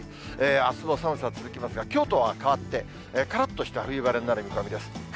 あすも寒さ続きますが、きょうとは変わって、からっとした冬晴れになる見込みです。